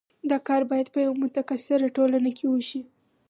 دا کار باید په یوه متکثره ټولنه کې وشي.